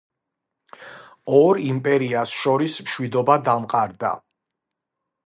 ორ იმპერიას შორის მშვიდობა დამყარდა.